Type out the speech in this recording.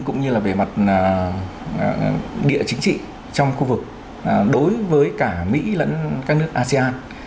cũng như là về mặt địa chính trị trong khu vực đối với cả mỹ lẫn các nước asean